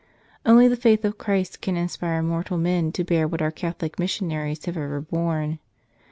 Only the faith of Christ can inspire mortal men to bear what our Catholic missionaries have ever borne.